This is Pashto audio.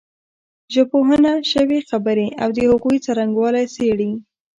ژبپوهنه شوې خبرې او د هغوی څرنګوالی څېړي